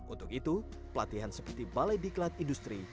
untuk itu pelatihan seperti balai di kelab industri